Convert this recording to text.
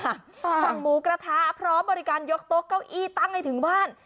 สั่งหมูกระทะพร้อมบริการยกโต๊ะเก้าอี้ตั้งให้ถึงบ้าน